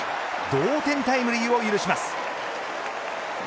同点タイムリーを許します。